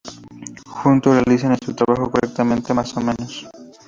Juntos realizan su trabajo correctamente, más o menos.